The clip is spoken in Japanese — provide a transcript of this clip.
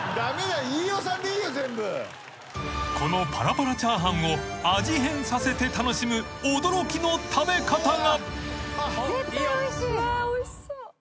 ［このパラパラチャーハンを味変させて楽しむ驚きの食べ方が］